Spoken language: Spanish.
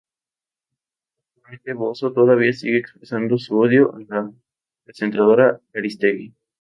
Actualmente Bozzo todavía sigue expresando su odio a la presentadora Aristegui.